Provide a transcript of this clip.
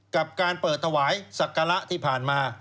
กับการเปิดถวายศักระที่ผ่านมา